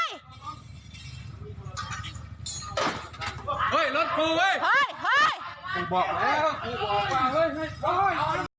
เฮ้ยรถกูเว้ยเฮ้ยเฮ้ย